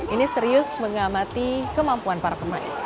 ini serius mengamati kemampuan para pemain